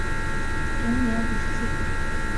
卒年五十四。